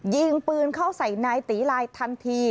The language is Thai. ยิงปืนเข้าใส่นายตีลายทันที